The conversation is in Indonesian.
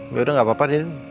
yaudah nggak apa apa